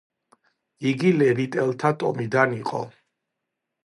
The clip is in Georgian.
იგი ლევიტელთა ტომიდან იყო.